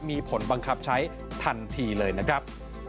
มีผลบังคับใช้ทันทีเลยนะครับ